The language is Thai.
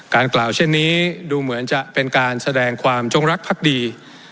กล่าวเช่นนี้ดูเหมือนจะเป็นการแสดงความจงรักภักดี